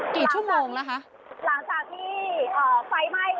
กี่ชั่วโมงแล้วคะหลังจากที่หลังจากที่ไฟไหม้